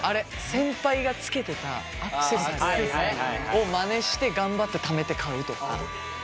先輩がつけてたアクセサリーをまねして頑張ってためて買うとか。